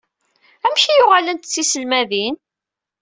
Amek i yuɣalent d tiselmadin?